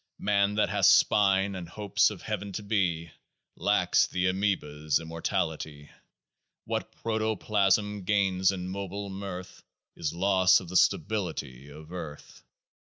Man that has spine, and hopes of heaven to be, Lacks the Amoeba's immortality. What protoplasm gains in mobile mirth Is loss of the stability of earth.